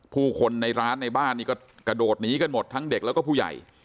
ผู้คนในร้านในบ้านนี่ก็กระโดดหนีกันหมดทั้งเด็กแล้วก็ผู้ใหญ่